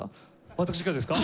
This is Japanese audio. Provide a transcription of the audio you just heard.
私がですか！？